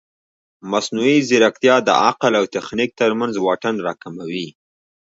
مصنوعي ځیرکتیا د عقل او تخنیک ترمنځ واټن راکموي.